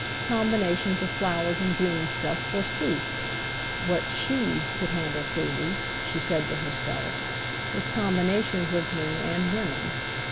Combinations of flowers and green stuff, forsooth! What she could handle freely, she said to herself, was combinations of men and women.